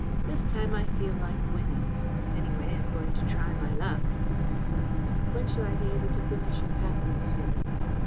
This time I feel like winning. Anyway, I am going to try my luck." "When shall I be able to finish your packing, sir?"